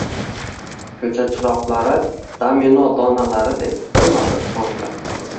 Ko’cha chiroqlari domino donalaridek birma bir so’ndi.